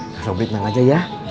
langsung beritahu aja ya